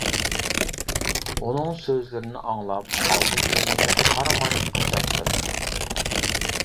ئۇنىڭ سۆزلىرىنى ئاڭلاپ ئالدى-كەينىمگە قارىماي قاچاتتىم.